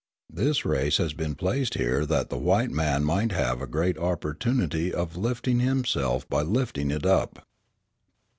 This race has been placed here that the white man might have a great opportunity of lifting himself by lifting it up.